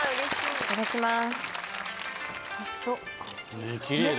いただきます。